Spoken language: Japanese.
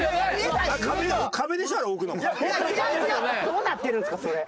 どうなってるんすかそれ。